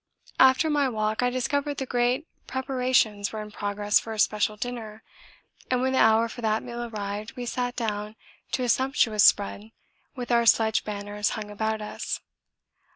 After my walk I discovered that great preparations were in progress for a special dinner, and when the hour for that meal arrived we sat down to a sumptuous spread with our sledge banners hung about us.